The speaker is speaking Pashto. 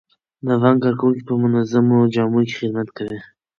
د بانک کارکوونکي په منظمو جامو کې خدمت کوي.